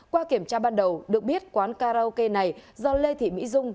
qua kiểm tra ban đầu được biết quán karaoke này do lê thị mỹ dung